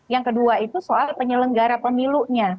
yang kedua itu soal penyelenggara pemilunya